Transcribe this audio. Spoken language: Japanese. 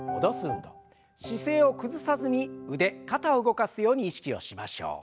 姿勢を崩さずに腕肩を動かすように意識をしましょう。